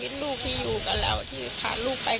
แต่แม่ก็เสียใจว่าแม่เสียลูกไป